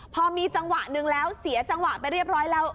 พอมีจังหวะหนึ่งแล้วเสียจังหวะไปเรียบร้อยแล้ว